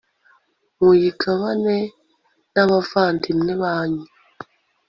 muyigabane n'abavandimwe banyu